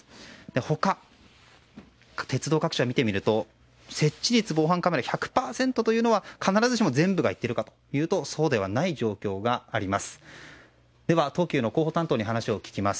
他鉄道各社を見てみると設置率防犯カメラは１００％というのは必ずしも全部がいっているかというとそうではない状況です。